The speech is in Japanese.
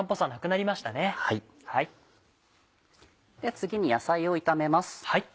次に野菜を炒めます。